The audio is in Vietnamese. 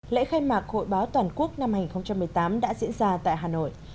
lễ khai mạc hội báo toàn quốc năm hai nghìn một mươi tám đã diễn ra tại hà nội